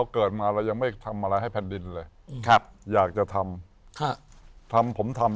เกิดมาเรายังไม่ทำอะไรให้แผ่นดินเลยครับอยากจะทำทำผมทำ